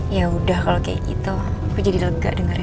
ya udah kalau kayak gitu aku jadi lega dengarnya